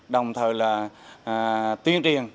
đồng thời tuyên truyền